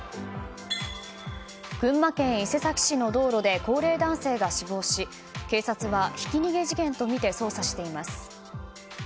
群馬県伊勢崎市の道路で高齢男性が死亡し警察はひき逃げ事件とみて捜査しています。